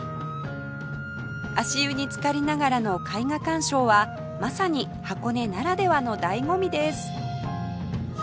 足湯につかりながらの絵画鑑賞はまさに箱根ならではの醍醐味です